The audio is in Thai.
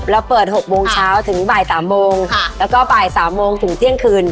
แล้วเปิดหกโมงเช้าถึงบ่ายสามโมงค่ะแล้วก็บ่ายสามโมงถึงเจียงคืน